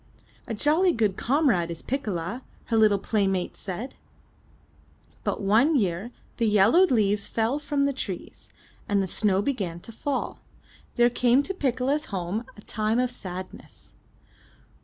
"A jolly good comrade is Piccola," her little play mates said. But one year, when the yellowed leaves fell from the trees, and the snow began to fall, there came to Piccola's home a time of sadness.